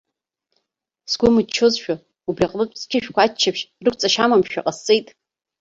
Сгәы мыччозшәа, убри аҟнытә сқьышәқәа аччаԥшь рықәҵашьа амамшәа ҟасҵеит.